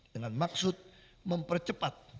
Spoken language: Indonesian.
dengan maksud mempercepat